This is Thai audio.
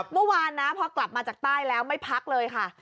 เมื่อวานนะพอกลับมาจากใต้แล้วไม่พักเลยค่ะ